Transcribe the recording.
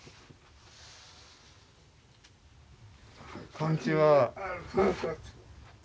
こんにちは。